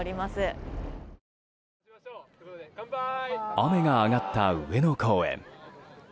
雨が上がった上野公園。